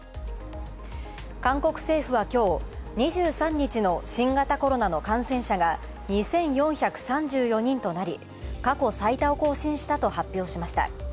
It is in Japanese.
韓国政府は、きょう２３日の新型コロナの感染者が２４３４人となり過去最多を更新したと発表しました。